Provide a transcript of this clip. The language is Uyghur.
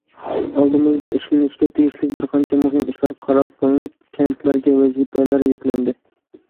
ئالدىمىزدا ئىشلىنىشكە تېگىشلىك بىر قانچە مۇھىم ئىشلار قارار قىلىنىپ، كەنتلەرگە ۋەزىپىلەر يۈكلەندى.